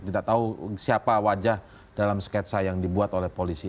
tidak tahu siapa wajah dalam sketsa yang dibuat oleh polisi